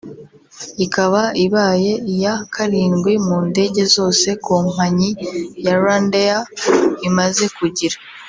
ikaba ibaye iya karindwi mu ndege zose companyi ya Rwandair imaze kugira